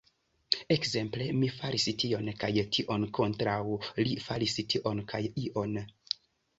Ekzemple, "mi faris tion kaj tion" kontraŭ "li faris tion kaj ion".